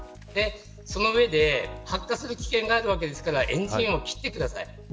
その上で発火する危険があるわけなのでエンジンを切ってください。